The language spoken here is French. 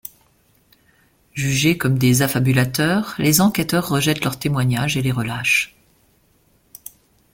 Jugés comme des affabulateurs, les enquêteurs rejettent leurs témoignages et les relâchent.